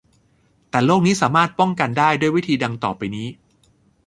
แต่โรคนี้สามารถป้องกันได้ด้วยวิธีดังต่อไปนี้